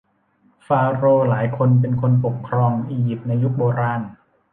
ฟาโรห์หลายคนเป็นคนปกครองอิยิปต์ในยุคโบราณ